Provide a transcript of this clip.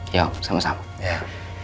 yo sama sama ya